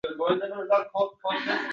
Ularni hurmat qilishi lozim.